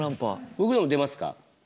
僕のも出ますか？